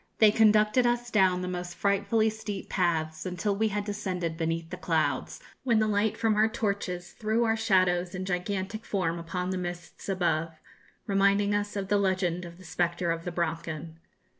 They conducted us down the most frightfully steep paths until we had descended beneath the clouds, when the light from our torches threw our shadows in gigantic form upon the mists above, reminding us of the legend of the 'Spectre of the Brocken.'